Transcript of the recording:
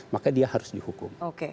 maka dia harus dihukum